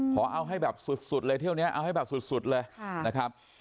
ขอเอาให้แบบสุดเลยเที่ยวนี้เอาให้แบบสุดเลยนะครับ